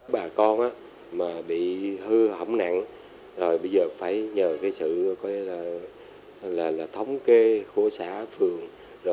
bà con bị hư hỏng nặng bây giờ phải nhờ sự thống kê của xã phường